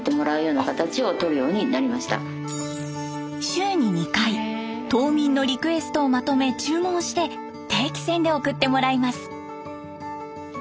週に２回島民のリクエストをまとめ注文して定期船で送ってもらいます。